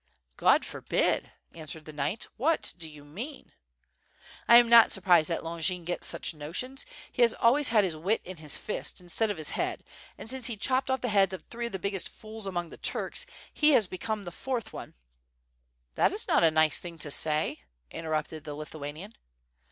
"God forbid!" answered the knight, "what do you mean?" "I am not surprised that Longin gets such notions. He has always had his wit in his fist instead of his head, and since he chopped off the heads of the three biggest fools among the Turks, he has become the fourth one " "That is not a nice thing to say," interrupted the Lith uanian.